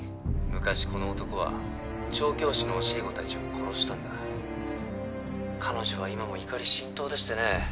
昔この男は調教師の教え子達を殺したんだ彼女は今も怒り心頭でしてね